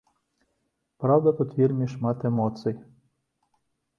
Праўда, тут вельмі шмат эмоцый.